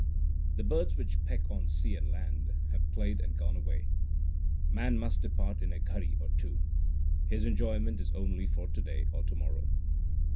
The birds which peck on sea and land have played and gone away. Man must depart in a ghari or two ; his enjoyment is only for to day or to morrow.